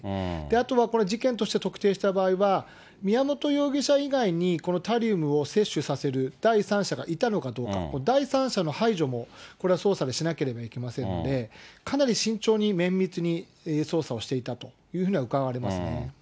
あとはこれ、事件として特定した場合は、宮本容疑者以外にこのタリウムを摂取させる第三者がいたのかどうか、この第三者の排除もこれは捜査もしなければいけませんので、かなり慎重に、綿密に捜査をしていたというふうにはうかがわれますね。